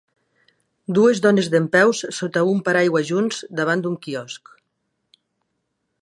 Dues dones dempeus sota un paraigua junts, davant d'un quiosc.